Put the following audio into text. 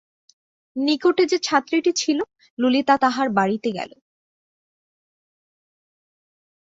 নিকটে যে ছাত্রীটি ছিল ললিতা তাহার বাড়িতে গেল।